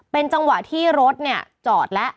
เป็นจังหวะที่รถเนี่ยจอดแล้ว